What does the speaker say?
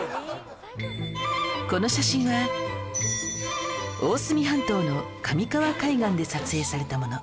この写真は大隅半島の神川海岸で撮影されたもの